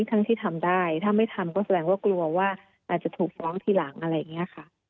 ถ้าไม่ทำก็แสดงว่ากลัวว่าอาจจะถูกฟ้องทีหลังอะไรอย่างนี้ค่ะ